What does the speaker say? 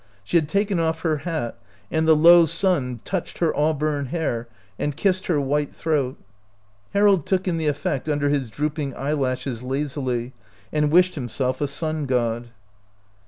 She had taken off her hat, and the low sun touched her auburn hair and kissed her white throat. Harold took in the effect under his droop ing eyelashes lazily, and wished himself a sun god.